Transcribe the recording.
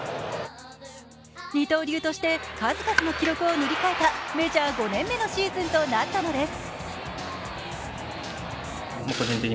二刀流として数々の記録を塗り替えたメジャー５年目のシーズンとなったのです。